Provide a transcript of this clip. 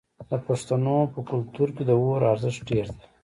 د پښتنو په کلتور کې د اور ارزښت ډیر دی.